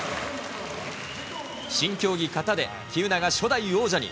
新競技、形で喜友名が初代王者に。